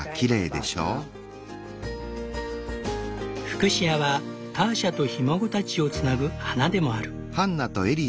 フクシアはターシャとひ孫たちをつなぐ花でもある。